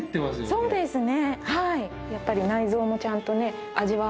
そうですねはい。